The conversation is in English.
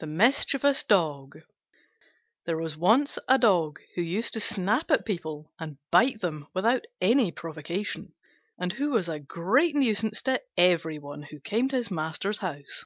THE MISCHIEVOUS DOG There was once a Dog who used to snap at people and bite them without any provocation, and who was a great nuisance to every one who came to his master's house.